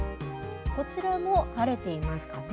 こちらも晴れていますかね。